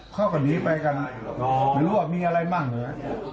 เข้ากันนี้ไปกันไม่รู้ว่ามีอะไรบ้างเลยนะ